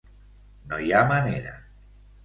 No hi ha manera!